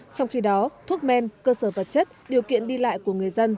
trong khi đó thuốc men cơ sở vật chất điều kiện đi lại của người dân